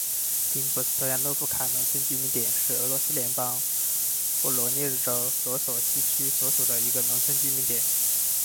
新波斯托亚洛夫卡农村居民点是俄罗斯联邦沃罗涅日州罗索希区所属的一个农村居民点。